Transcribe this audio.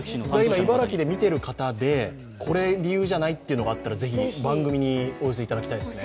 今、茨城で見ている方で、これ、理由じゃない？というのがあれば番組にお寄せいただきたいですね。